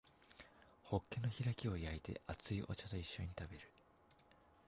ホッケの開きを焼いて熱いお茶と一緒に食べる